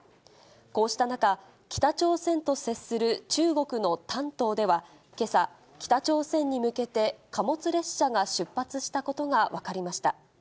こうした中、北朝鮮と接する中国の丹東では、けさ、北朝鮮に向けて貨物列車が出発したことが分かりました。